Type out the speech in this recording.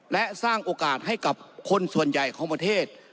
และสร้างโอกาสให้กับคนส่วนใหญ่ของประเทศ